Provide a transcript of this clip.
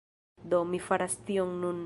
Do, mi faras tion nun